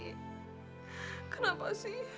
rum juga sebenernya agak nyesel ki